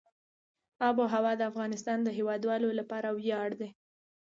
آب وهوا د افغانستان د هیوادوالو لپاره ویاړ دی.